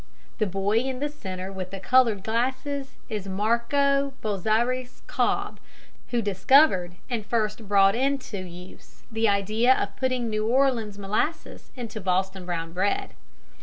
The boy in the centre with the colored glasses is Marco Bozzaris Cobb, who discovered and first brought into use the idea of putting New Orleans molasses into Boston brown bread.